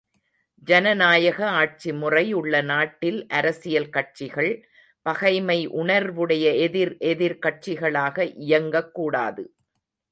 ஜனநாயக ஆட்சிமுறை உள்ள நாட்டில் அரசியல் கட்சிகள் பகைமை உணர்வுடைய எதிர் எதிர் கட்சிகளாக இயங்கக்கூடாது!